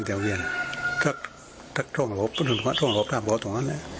อ้อออออเตเหี้ยเวียนทั้งท้องร้อมท้องร้อขังบอตรงนั้นโสค